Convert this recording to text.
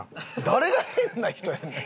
誰が変な人やねん！